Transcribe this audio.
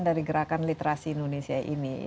dari gerakan literasi indonesia ini